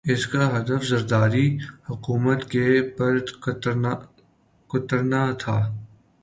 اس کا ہدف زرداری حکومت کے پر کترنا تھا۔